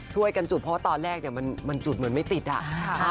ช่วยกันจุดเพราะว่าตอนแรกเนี่ยมันจุดเหมือนไม่ติดอ่ะ